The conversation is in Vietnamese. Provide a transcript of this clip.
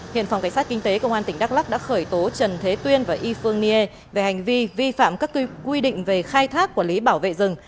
hiện phòng cảnh sát kinh tế công an tỉnh đắk lắc đã khởi tố trần thế tuyên và y phương niê về hành vi vi phạm các quy định về khai thác quản lý bảo vệ rừng